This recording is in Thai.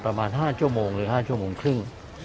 ประมาณ๕ชั่วโมงหรือ๕ชั่วโมงครึ่ง